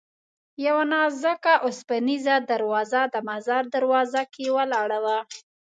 یوه نازکه اوسپنیزه دروازه د مزار دروازه کې ولاړه وه.